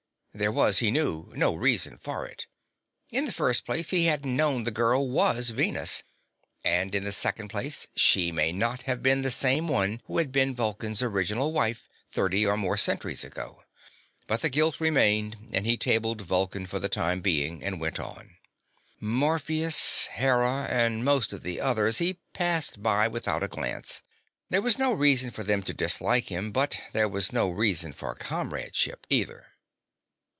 There was, he knew, no real reason for it. In the first place, he hadn't known the girl was Venus, and in the second place she may not have been the same one who had been Vulcan's original wife, thirty and more centuries ago. But the guilt remained, and he tabled Vulcan for the time being and went on. Morpheus, Hera, and most of the others he passed by without a glance; there was no reason for them to dislike him, but there was no reason for comradeship, either.